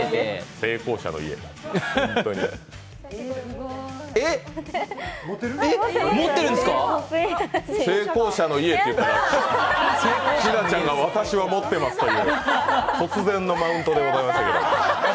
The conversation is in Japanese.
「成功者の家」って言ったら日奈ちゃんが、私は持ってますという突然のマウントでしたけど。